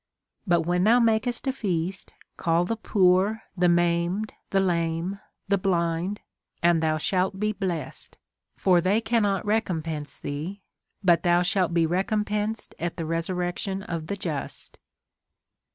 But when thou inakest a feast, call the poor, the ?naimed, the lame, the blind, and thou shall be blessed ; for they cannot recompense thee, but thou shalt be recompensed at the resurrection of the just.